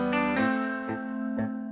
gak ada yang peduli